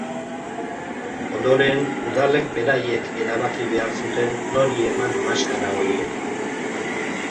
Ondoren, udalek beraiek erabaki behar zuten nori eman maskara horiek.